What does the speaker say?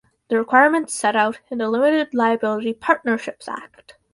The requirements set out in the Limited Liability Partnerships Act.